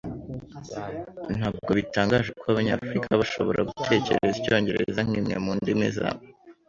Ntabwo bitangaje kuba Abanyafurika bashobora gutekereza icyongereza nkimwe mundimi zabo.